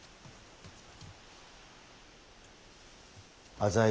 浅井